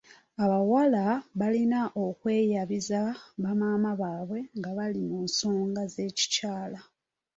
Abawala balina okweyabiza bamaama baabwe nga bali mu nsonga z'ekikyala.